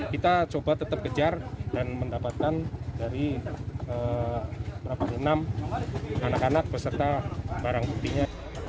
kita coba tetap kejar dan mendapatkan dari enam anak anak beserta barang putihnya